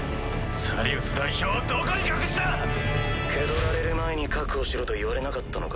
サリウス代表をどこに隠した⁉気取られる前に確保しろと言われなかったのか？